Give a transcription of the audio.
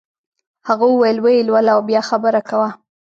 هغه وویل ویې لوله او بیا خبره کوه.